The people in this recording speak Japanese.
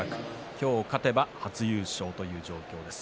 今日勝てば初優勝という状況です。